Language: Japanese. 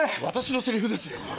私のセリフですよ。